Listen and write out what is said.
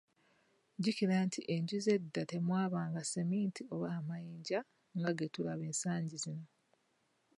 Jjukira nti enju z’edda temwabanga ssementi oba amayinja nga ge tulaba ensangi zino.